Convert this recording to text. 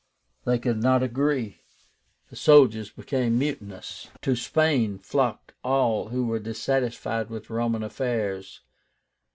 They could not agree. The soldiers became mutinous. To Spain flocked all who were dissatisfied with Roman affairs.